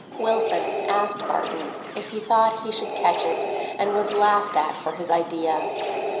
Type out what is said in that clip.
Wilson asked Barton if he thought he should catch it, and was laughed at for his idea.